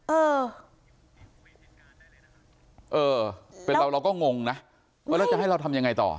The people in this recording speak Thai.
เออเป็นเราเราก็งงนะแล้วจะให้เราทำยังไงต่อ